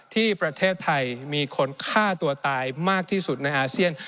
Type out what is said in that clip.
ที่ประเทศไทยมีคนฆ่าตัวตายมากที่สุดในอาเซียน